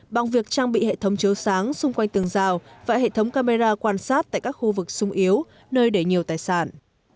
bằng việc trang bị hệ thống chấu sáng xung quanh tường rào và hệ thống camera quan sát tại các khu vực sung yếu nơi để nhiều tài sản